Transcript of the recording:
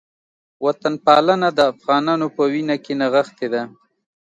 وطنپالنه د افغانانو په وینه کې نغښتې ده